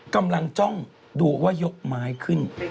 กำลังจ้องดูว่ายกไม้ขึ้น